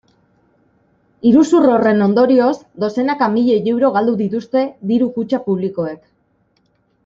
Iruzur horren ondorioz dozenaka milioi euro galdu dituzte diru-kutxa publikoek.